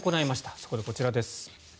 そこでこちらです。